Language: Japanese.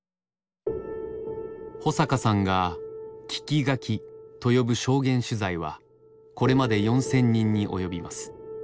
保阪さんが「聞き書き」と呼ぶ証言取材はこれまで４，０００人に及びます。